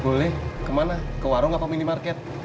boleh ke mana ke warung apa minimarket